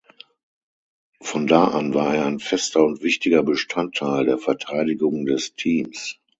Von da an war er ein fester und wichtiger Bestandteil der Verteidigung des Teams.